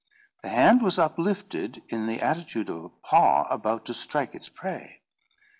The hand was uplifted in the attitude of a paw about to strike its prey.